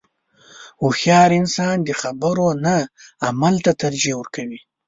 • هوښیار انسان د خبرو نه عمل ته ترجیح ورکوي.